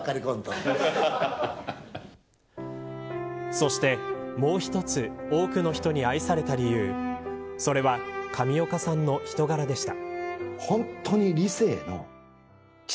そしてもう一つ多くの人に愛された理由それは上岡さんの人柄でした。